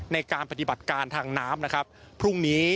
ในการปฏิบัติการทางน้ำนะครับพรุ่งนี้